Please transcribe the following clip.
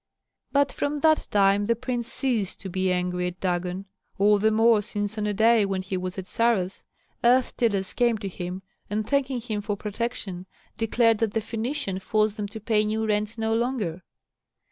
But from that time the prince ceased to be angry at Dagon, all the more since on a day when he was at Sarah's earth tillers came to him, and thanking him for protection declared that the Phœnician forced them to pay new rents no longer.